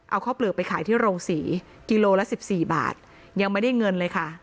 เอาข้าวเปลือกไปขายที่โรงศรีกิโลละ๑๔บาทยังไม่ได้เงินเลยค่ะ